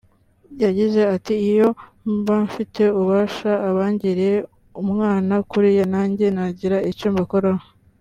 yagize ati “Iyo mba mfite ububasha abangiriye umwana kuriya nanjye nagira icyo mbakoraho